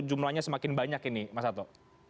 jumlahnya semakin banyak ini mas ato